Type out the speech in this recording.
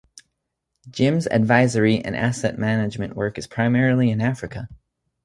Jim's advisory and asset management work is primarily in Africa.